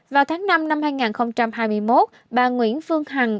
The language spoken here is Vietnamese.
vào tháng năm năm hai nghìn hai mươi một bà nguyễn phương hằng